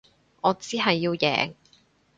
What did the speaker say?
我只係要贏